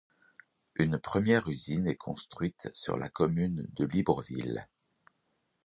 Une première usine est construite sur la commune de Libreville.